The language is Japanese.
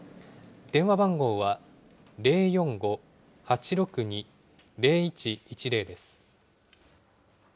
電話番号は０４５ー８６２ー０１１０です。